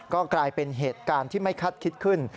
ก็กลายเป็นเหตุการณ์ที่ไม่คาดคิดขึ้น